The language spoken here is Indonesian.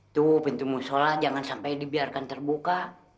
tuh pintu musola jangan sampai dibiarkan terbuka